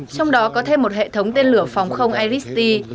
trong đó có thêm một hệ thống tên lửa phòng không airisti